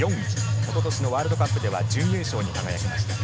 一昨年のワールドカップでは準優勝に輝きました。